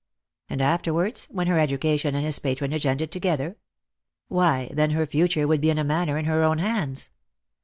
And afterwards, when her education and his patronage ended together? Why, then her future would be in a manner in her own hands.